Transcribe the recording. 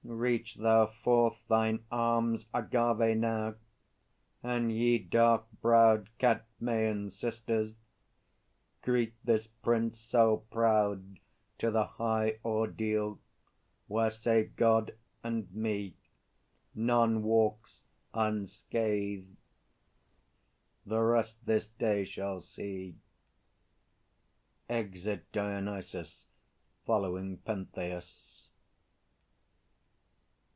Reach thou forth Thine arms, Agâvê, now, and ye dark browed Cadmeian sisters! Greet this prince so proud To the high ordeal, where save God and me, None walks unscathed! The rest this day shall see. [Exit DIONYSUS following PENTHEUS.